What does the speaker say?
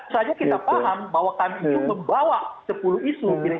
sehingga kita paham bahwa kami membawa sepuluh isu